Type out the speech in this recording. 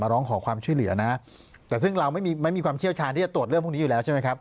ร้องขอความช่วยเหลือนะแต่ซึ่งเราไม่มีไม่มีความเชี่ยวชาญที่จะตรวจเรื่องพวกนี้อยู่แล้วใช่ไหมครับ